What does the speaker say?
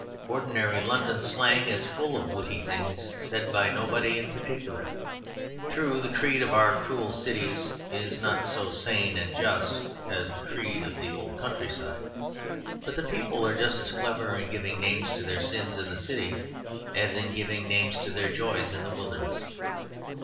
Ordinary London slang is full of witty things said by nobody in particular. True, the creed of our cruel cities is not so sane and just as the creed of the old countryside; but the people are just as clever in giving names to their sins in the city as in giving names to their joys in the wilderness.